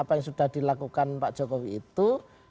apa yang sudah dilakukan pak jokowi itu